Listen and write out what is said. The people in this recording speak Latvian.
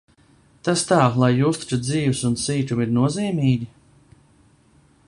Tas tā, lai justu, ka dzīvs un sīkumi ir nozīmīgi?...